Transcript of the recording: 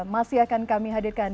masih akan kami hadirkan